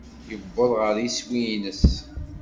Yewweḍ ɣer yiswi-nnes.